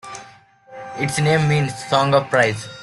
Its name means 'Song of Praise'.